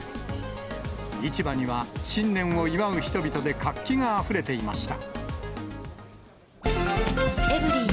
市場には、新年を祝う人々で活気があふれていました。